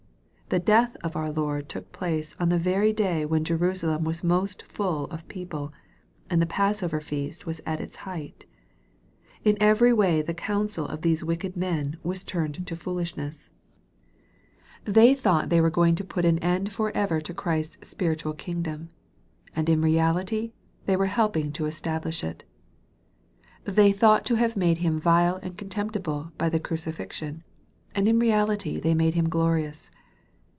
The death of our Lord took place on the very day when Jerusalem was most full of people, and the passover feast was at its height. In every way the counsel of these wicked men was turned to foolishness. They thought OQQ MARK, CHAP. XIV. they were going to put an end for ever to Christ's spiritual kingdom ; and in reality they were helping to establish it. They thought to have made Him vile and contemptible by the crucifixion ; and in reality they made Him glorious.